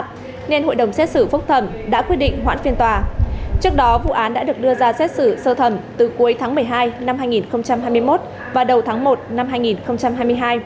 trước đó vụ án đã được đưa ra xét xử sơ thẩm từ cuối tháng một mươi hai năm hai nghìn hai mươi một và đầu tháng một năm hai nghìn hai mươi hai